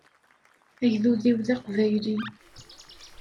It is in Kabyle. Agdud-iw d aqbayli.